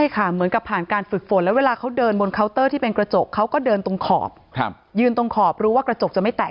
เขาก็เดินบนเคาน์เตอร์ที่เป็นกระจกเขาก็เดินตรงขอบยืนตรงขอบรู้ว่ากระจกจะไม่แตก